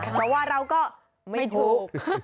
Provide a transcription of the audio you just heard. เพราะว่าเราก็ไม่ถูก